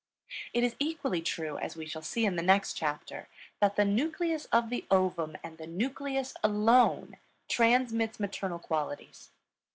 It is equally true, as we shall see in the next chapter, that the nucleus of the ovum and the nucleus alone transmits maternal qualities.